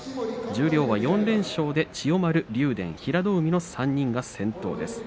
十両は４連勝で千代丸、竜電平戸海の３人が先頭です。